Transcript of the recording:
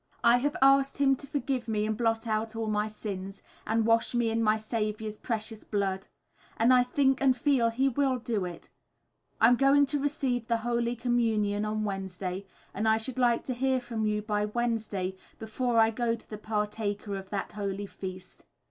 I have asked Him to forgive me and blot out all my sins, and wash me in my Saviour's precious blood; and I think and feel He will do it. I'm going to receive the Holy Communion on Wednesday, and I should like to hear from you by Wednesday, before I go to be partaker of that holy feast.